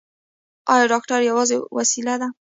ایا ډاکټر یوازې وسیله ده؟